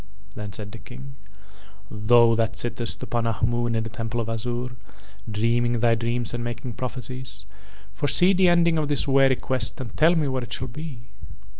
Then said the King: "Thou that sittest upon Ahmoon in the Temple of Azure, dreaming thy dreams and making prophecies, foresee the ending of this weary quest and tell me where it shall be?"